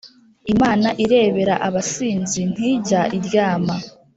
Imana irebera abasinzi ntijya iryama